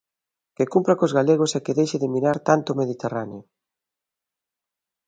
Que cumpra cos galegos e que deixe de mirar tanto o Mediterráneo.